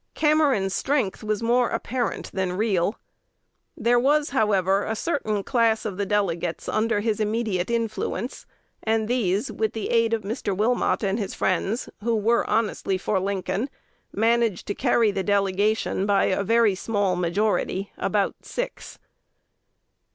Cameron's strength was more apparent than real. There was, however, "a certain class of the delegates under his immediate influence;" and these, with the aid of Mr. Wilmot and his friends, who were honestly for Lincoln, managed to carry the delegation by a very small majority, "about six."